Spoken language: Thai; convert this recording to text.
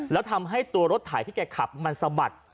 แล้วทำให้ตัวรถถ่ายที่แกขับมันสะบัด